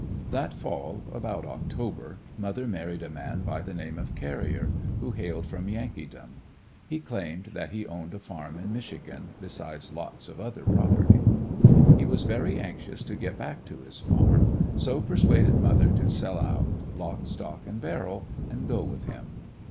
That fall, about October, mother married a man by the name of Carrier, who hailed from Yankeedom. He claimed that he owned a farm in Michigan, besides lots of other property. He was very anxious to get back to his farm, so persuaded mother to sell out lock, stock and barrel and go with him.